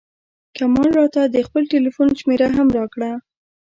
کمال راته د خپل ټیلفون شمېره هم راکړه.